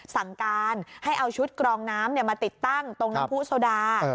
สั่งการให้เอาชุดกรองน้ำมาติดตั้งตรงน้ำผู้โซดา